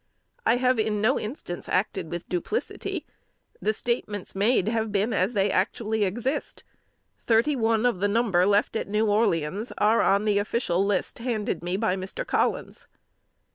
I have in no instance acted with duplicity. The statements made, have been as they actually exist. Thirty one of the number left at New Orleans are on the official list handed me by Mr. Collins."